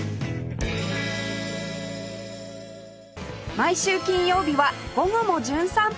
毎週金曜日は『午後もじゅん散歩』